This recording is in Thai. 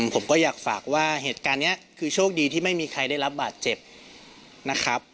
ผมก็อยากฝากว่าเหตุการณ์นี้คือโชคดีที่ไม่มีใครได้รับบาดเจ็บนะครับ